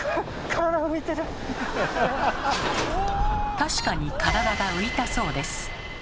確かに体が浮いたそうです。